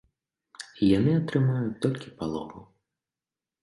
І яны атрымаюць толькі палову.